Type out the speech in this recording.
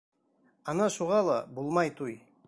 Ана шуға ла -булмай туй!